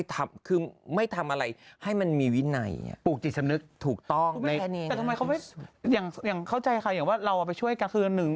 ถูกต้องในการยังเค้าใจเหตุความว่าเราไปช่วยกลับหนึ่ง